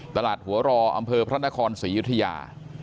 ตลาดหัวรออำเภอพระนครศรียุธยา